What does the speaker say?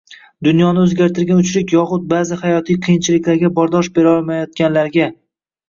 Dunyoni oʻzgartirgan uchlik yoxud baʼzi hayotiy qiyinchiliklarga bardosh berolmayotganlarga...